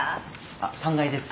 あっ３階です。